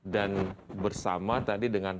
dan bersama tadi dengan